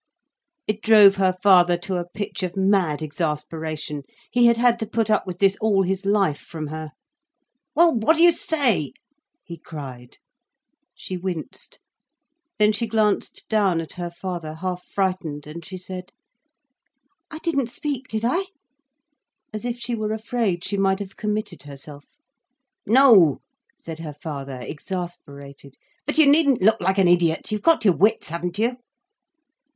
It drove her father to a pitch of mad exasperation. He had had to put up with this all his life, from her. "Well, what do you say?" he cried. She winced. Then she glanced down at her father, half frightened, and she said: "I didn't speak, did I?" as if she were afraid she might have committed herself. "No," said her father, exasperated. "But you needn't look like an idiot. You've got your wits, haven't you?"